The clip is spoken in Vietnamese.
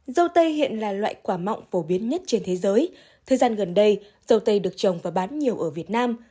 dâu tây hiện là loại quả mọng phổ biến nhất trên thế giới thời gian gần đây dâu tây được trồng và bán nhiều ở việt nam